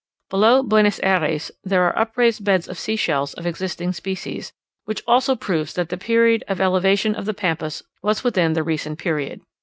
Below Buenos Ayres there are upraised beds of sea shells of existing species, which also proves that the period of elevation of the Pampas was within the recent period.